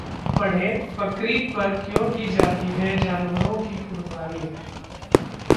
पढ़ें: बकरीद पर क्यों दी जाती है जानवरों की कुर्बानी